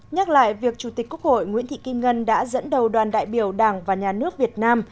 nhắc lại việc chủ tịch quốc hội nguyễn thị kim ngân đã dẫn đầu đoàn đại biểu đảng và nhà nước việt nam